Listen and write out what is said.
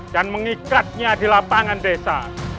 dan mengikatnya di lapangan desa